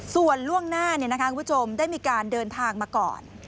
ส่วนล่วงหน้าได้มีการเดินทางมาก่อน